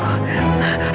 aku harus sembunyi